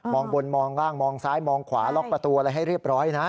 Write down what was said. บนมองล่างมองซ้ายมองขวาล็อกประตูอะไรให้เรียบร้อยนะ